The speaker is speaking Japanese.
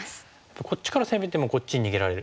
こっちから攻めてもこっちに逃げられる。